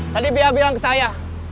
tadi bia bilang ke saya